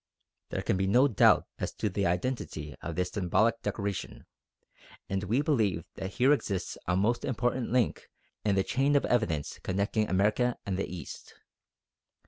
There can be no doubt as to the identity of this symbolic decoration, and we believe that here exists a most important link in the chain of evidence connecting America and the East.